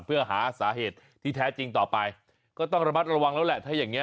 เพื่อหาสาเหตุที่แท้จริงต่อไปก็ต้องระมัดระวังแล้วแหละถ้าอย่างเง